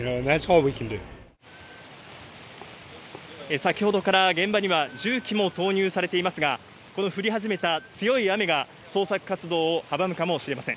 先ほどから現場には重機も投入されていますが、降り始めた強い雨が捜索活動を阻むかもしれません。